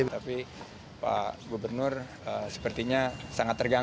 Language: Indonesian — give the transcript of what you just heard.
tapi pak gubernur sepertinya sangat tergantung